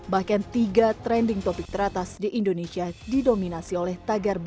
bahkan tiga trending topik teratas di indonesia didominasi oleh tagar berbeda